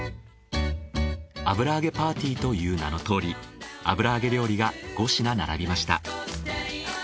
油揚げパーティーという名のとおり油揚げ料理が５品並びました。